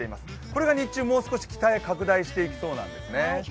これが日中、もう少し北へ拡大していきそうなんですね。